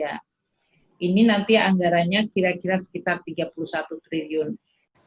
bagi mereka yang berpendapatan di bawah lima triliun rupiah